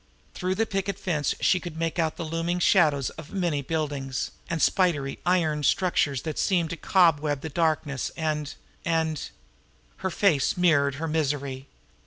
Through the picket fence she could make out the looming shadows of many buildings, and spidery iron structures that seemed to cobweb the darkness, and and Her face mirrored her misery.